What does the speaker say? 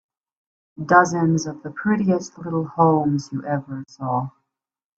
Dozens of the prettiest little homes you ever saw.